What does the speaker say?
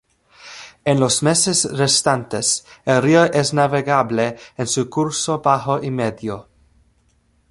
En los meses restantes, el río es navegable en su curso bajo y medio.